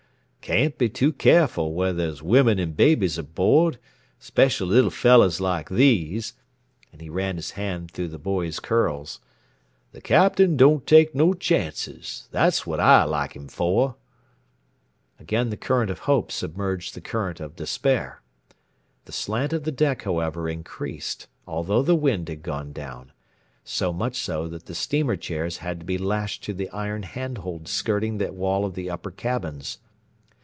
Can't be too careful when there's women and babies aboard, especially little fellows like these " and he ran his hand through the boy's curls. "The Captain don't take no chances. That's what I like him for." Again the current of hope submerged the current of despair. The slant of the deck, however, increased, although the wind had gone down; so much so that the steamer chairs had to be lashed to the iron hand hold skirting the wall of the upper cabins.